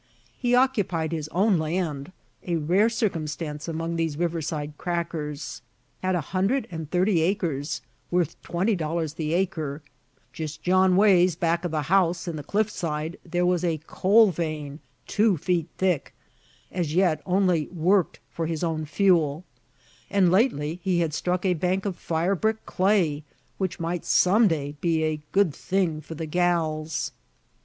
He occupied his own land a rare circumstance among these riverside "crackers;" had a hundred and thirty acres, worth twenty dollars the acre; "jist yon ways," back of the house, in the cliff side, there was a coal vein two feet thick, as yet only "worked" for his own fuel; and lately, he had struck a bank of firebrick clay which might some day be a "good thing for th' gals."